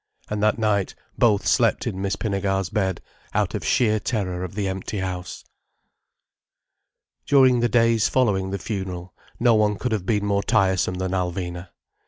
And that night both slept in Miss Pinnegar's bed, out of sheer terror of the empty house. During the days following the funeral, no one could have been more tiresome than Alvina.